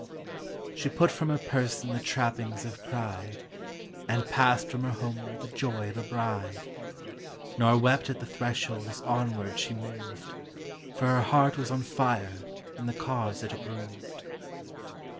She put from her person the trappings of pride, And passed from her home with the joy of a bride, Nor wept at the threshold as onward she moved, For her heart was on fire in the cause it approved.